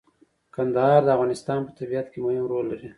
کندهار د افغانستان په طبیعت کې مهم رول لري.